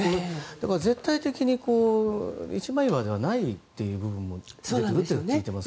絶対的に一枚岩ではない部分も出ていると聞いています。